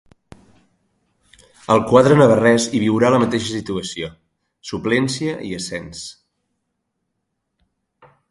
Al quadre navarrès hi viurà la mateixa situació: suplència i ascens.